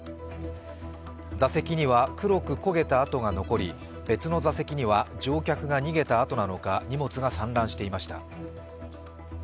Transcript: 座席には黒く焦げた跡が残り別の座席には乗客が逃げたあとなのか、荷物が散乱していました。